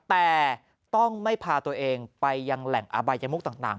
แต่ต้องไม่พาตัวเองไปยังแหล่งอบายมุกต่าง